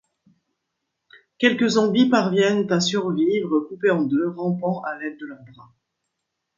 Quelques zombies parviennent à survivre coupés en deux, rampant à l'aide de leurs bras.